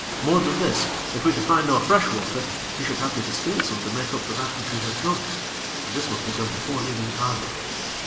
More than this, if we could find no fresh water, he should have to distil some to make up for that which we had drunk, and this must be done before leaving the island.